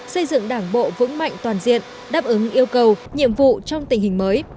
xây dựng đảng bộ vững mạnh toàn diện đáp ứng yêu cầu nhiệm vụ trong tình hình mới